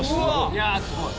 いやすごい。